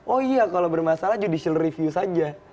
oh iya kalau bermasalah judicial review saja